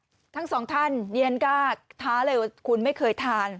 ครับอ่าทั้งสองท่านเรียนกากท้าเลยว่าคุณไม่เคยทาน